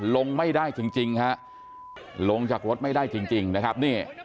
ลงไม่ได้จริงจริงฮะลงจากรถไม่ได้จริงนะครับนี่